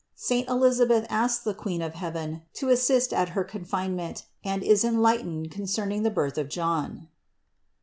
SAINT ELISABETH ASKS THE QUEEN OF HEAVEN TO AS SIST AT HER CONFINEMENT AND IS ENLIGHTENED CON CERNING THE BIRTH OF JOHN.